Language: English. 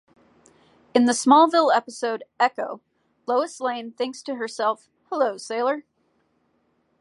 In the "Smallville" episode "Echo", Lois Lane thinks to herself "Hello, sailor!